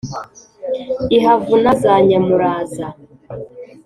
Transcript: ihavuna za nyamuraza.